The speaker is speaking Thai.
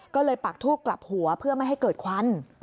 ก็เลยปากทูบกลับหัวเพื่อไม่ให้เกิดควัน